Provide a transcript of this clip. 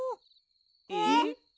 えっ？